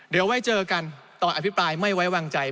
เดี๋ยวไว้เจอกันตอนอภิปรายไม่ไว้วางใจ